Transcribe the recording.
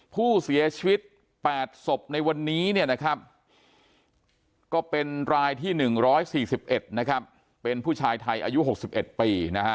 ผู้เสียชีวิต๘ศพในวันนี้ก็เป็นรายที่๑๔๑นะครับเป็นผู้ชายไทยอายุ๖๑ปีนะฮะ